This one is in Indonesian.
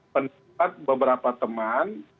pengenal beberapa teman